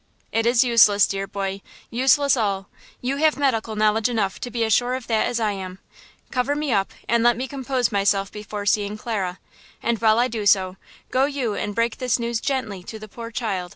"It is useless, dear boy–useless all! You have medical knowledge enough to be as sure of that as I am. Cover me up and let me compose myself before seeing Clara, and while I do so, go you and break this news gently to the poor child!"